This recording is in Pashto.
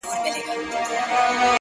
بس ده ه د غزل الف و با مي کړه،